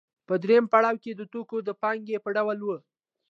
په درېیم پړاو کې د توکو د پانګې په ډول وه